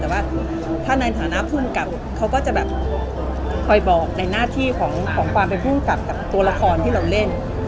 แต่ว่าถ้าในฐานะภูมิกับเขาก็จะแบบคอยบอกในหน้าที่ของความเป็นภูมิกับกับตัวละครที่เราเล่น